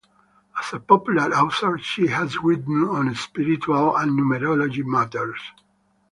As a popular author, she has written on spiritual and numerology matters.